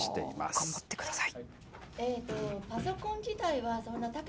頑張ってください。